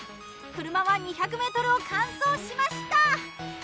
車は２００ｍを完走しました。